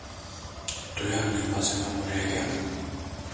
Duyar duymaz hemen buraya geldim.